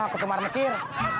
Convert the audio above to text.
ke tumar mesir